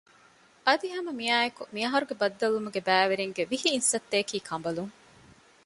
އަދި ހަމަ މިއާއެކު މި އަހަރުގެ ބައްދަލުވުމުގެ ބައިވެރިންގެ ވިހި އިންސައްތައަކީ ކަނބަލުން